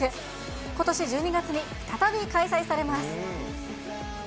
ことし１２月に再び開催されます。